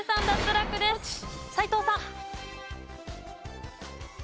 斎藤さん。